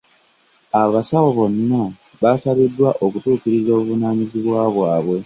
Abasawo bonna baasabiddwa okutuukiriza obuvunaanyizibwa bwabwe.